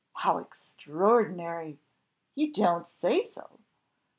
"How extraordinary!" "You do not say so?"